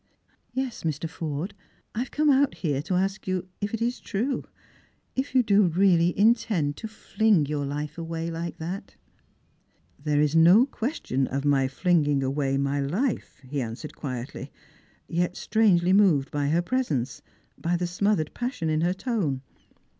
" Yes, Mr. Forde. I have come out here to ask you if it ia true, — if you do really intend to fling away your life like that ?"" There is no question of my flinging away my life," he an swered quietly, yet strangely moved by her presence, by the smothered passion in her tone.